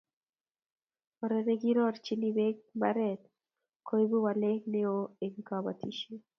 Oree n ki ronchine beek mbaree koibu waleek ne oo eng kabotishe.